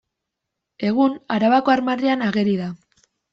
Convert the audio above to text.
Egun, Arabako armarrian ageri da.